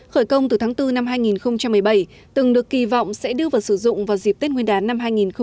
khởi công từ tháng bốn năm hai nghìn một mươi bảy từng được kỳ vọng sẽ đưa vào sử dụng vào dịp tết nguyên đán năm hai nghìn một mươi chín